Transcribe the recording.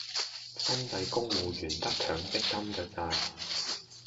新制公務員得強積金架咋